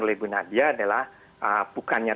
oleh bu nadia adalah bukannya